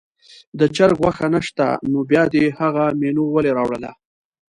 د چرګ غوښه نه شته نو بیا دې هغه مینو ولې راوړله.